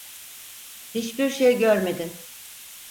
Hiçbir şey görmedin.